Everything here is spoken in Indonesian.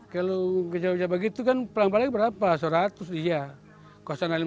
kalau kejauh jauh begitu kan pulang balai berapa seratus dihias